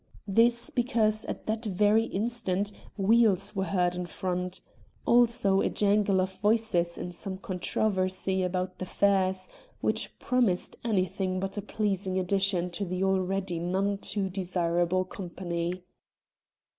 This, because at that very instant wheels were heard in front, also a jangle of voices, in some controversy about fares, which promised anything but a pleasing addition to the already none too desirable company.